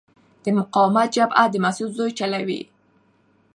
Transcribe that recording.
د مقاومت جبهه د مسعود ژوی چلوي.